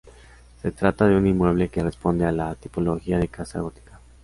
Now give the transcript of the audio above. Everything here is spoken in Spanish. Se trata de un inmueble que responde a la tipología de casa gótica.